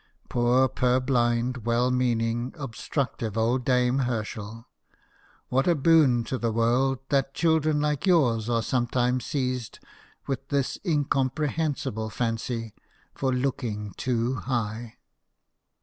Poor, purblind, well meaning, obstructive old dame Herschel ! what a boon to the world that children like yours are sometimes seized with this incomprehensible fancy for " looking too high